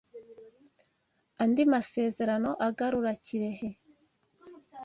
andi masezerano agarura Kirehe.”